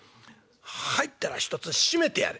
入ったらひとつ閉めてやれ」。